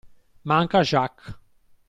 Manca Jacques!